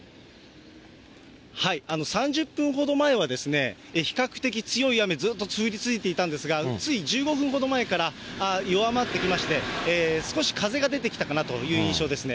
３０分ほど前は、比較的強い雨、ずーっと降り続いていたんですが、つい１５分ほど前から弱まってきまして、少し風が出てきたかなという印象ですね。